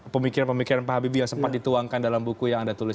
pemikiran pemikiran pak habibie yang sempat dituangkan dalam buku yang anda tulis